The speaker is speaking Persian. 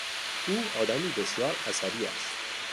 او آدمی بسیار عصبی است.